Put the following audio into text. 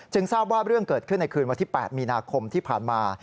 ทราบว่าเรื่องเกิดขึ้นในคืนวันที่๘มีนาคมที่ผ่านมา